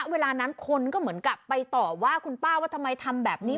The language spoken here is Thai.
เวลานั้นคนก็เหมือนกับไปต่อว่าคุณป้าว่าทำไมทำแบบนี้